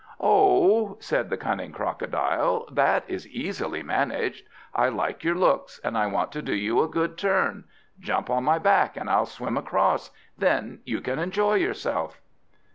"Oh!" said the cunning Crocodile, "that is easily managed. I like your looks, and I want to do you a good turn. Jump on my back, and I'll swim across; then you can enjoy yourself!"